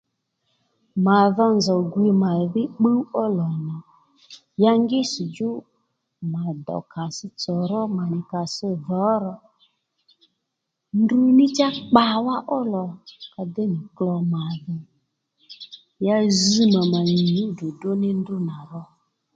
Mà dho nzòw gwiy mà dhí bbúw ó lò nà ya ngísdjú mà dòw kasstsò ró mà nì kass dho ro ndruní cha kpawa ó lò ka déy nì klo mà dhò ya zz mà mànì nyǔ ddròddró ní ndrǔ nà ro